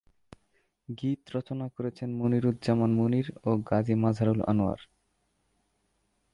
গীত রচনা করেছেন মনিরুজ্জামান মনির ও গাজী মাজহারুল আনোয়ার।